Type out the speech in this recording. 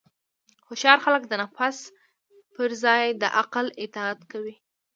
هوښیار خلک د نفس پر ځای د عقل اطاعت کوي.